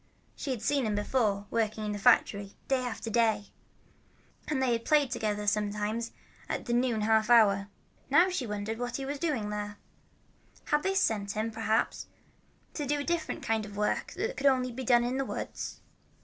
She had seen him before, working at the factory, day after day, and they had played together sometimes in the noon half hour. Now she wondered what he was doing out there. Had they sent him, perhaps, to do a different kind of work that could only be done in the woods?